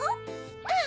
うん！